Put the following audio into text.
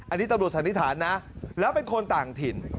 อันนี้ตำรวจสันนิษฐานนะแล้วเป็นคนต่างถิ่น